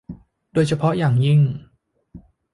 โดยเฉพาะอย่างยิ่ง